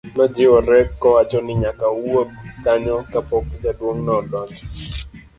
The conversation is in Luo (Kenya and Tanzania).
nojiwore kowacho ni nyaka owuog kanyo ka pok jaduong' no odonjo